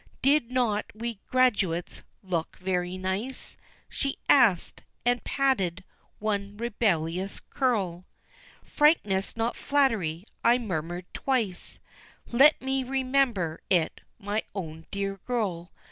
"Did not we graduates look very nice?" She asked, and patted one rebellious curl. "Frankness, not flattery," I murmured twice, "Let me remember it my own dear girl!"